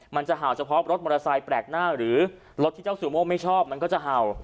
มันจะเห่าเฉพาะรถมอเตอร์ไซค์แปลกหน้าหรือรถที่เจ้าซูโม่ไม่ชอบมันก็จะเห่า